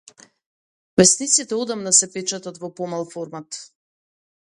Весниците одамна се печатат во помал формат.